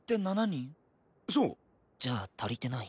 じゃあ足りてない。